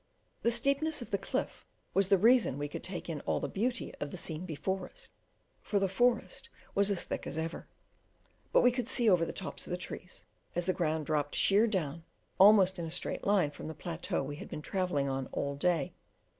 The steepness of the cliff was the reason we could take in all the beauty of the scene before us, for the forest was as thick as ever; but we could see over the tops of the trees, as the ground dropped sheer down, almost in a straight line from the plateau we had been travelling on all day.